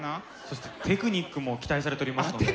そしてテクニックも期待されておりますので。